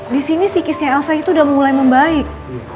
disini psikisnya elsa itu udah mulai membaik